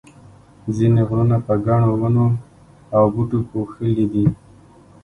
ځینې غرونه په ګڼو ونو او بوټو پوښلي دي.